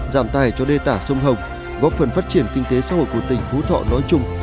giảm tài cho đê tả sông hồng góp phần phát triển kinh tế xã hội của tỉnh phú thọ nói chung